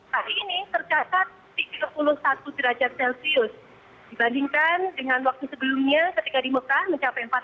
hari ini tercatat tiga puluh satu derajat celcius dibandingkan dengan waktu sebelumnya ketika di mekah mencapai empat puluh